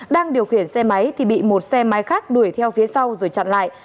đang điều khiển xe máy thì bị một xe máy khác đuổi theo phía sau rồi chặn lại